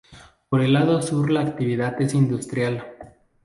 Por el lado sur la actividad es industrial.